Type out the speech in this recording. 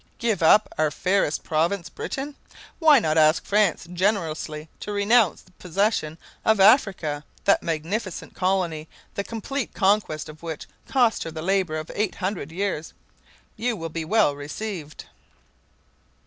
Give up our fairest province, Britain? Why not ask France generously to renounce possession of Africa, that magnificent colony the complete conquest of which cost her the labor of 800 years? You will be well received!"